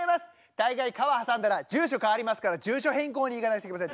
大概川挟んだら住所変わりますから住所変更に行かなくちゃいけません。